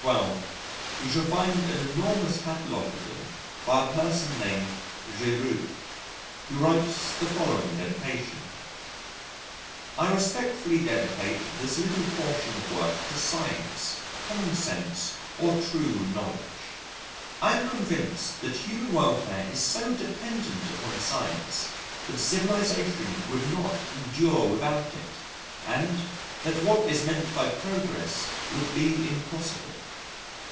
1912) you shall find an enormous catalogue of them by a person named Girault who writes the following dedication: "I respectfully dedicate this little portion of work to science, common sense or true knowledge. I am convinced that human welfare is so dependent upon science that civilisation would not endure without it, and that what is meant by progress would be impossible.